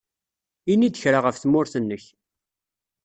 Ini-iyi-d kra ɣef tmurt-nnek.